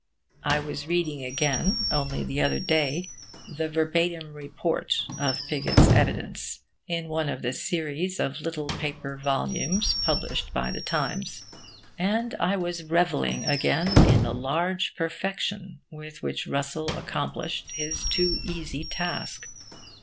I was reading again, only the other day, the verbatim report of Pigott's evidence, in one of the series of little paper volumes published by The Times; and I was revelling again in the large perfection with which Russell accomplished his too easy task.